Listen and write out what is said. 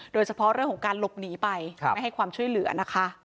โดยเฉพาะเรื่องของการหลบหนีไปไม่ให้ความช่วยเหลือนะคะ